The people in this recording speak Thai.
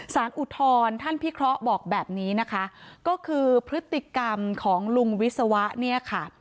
อุทธรณ์ท่านพิเคราะห์บอกแบบนี้นะคะก็คือพฤติกรรมของลุงวิศวะเนี่ยค่ะ